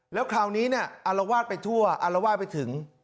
แล้วคราวนี้อารวาทไปทั่วอารวาทไปถึง